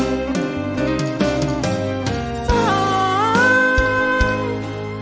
สอง